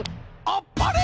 あっぱれ！